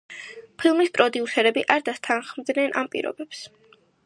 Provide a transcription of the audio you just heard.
ფილმის პროდიუსერები არ დასთანხმდნენ ამ პირობებს.